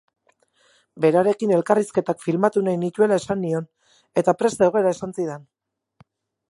Berarekin elkarrizketak filmatu nahi nituela esan nion, eta prest zegoela esan zidan.